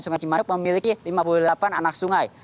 sungai cimanuk memiliki lima puluh delapan anak sungai